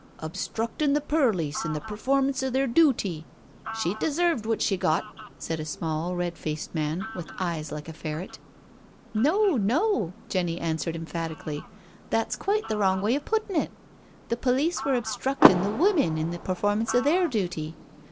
" Obstructin' the perlice in the performance of their dooty. She deserved what she got," said a small, red faced man, with eyes like a ferret. ON A TROLLY CART 131 No — no I" Jenny answered emphatically, "that's quite the wrong way of puttin* it. The police were obstructing the women in the performance of their duty.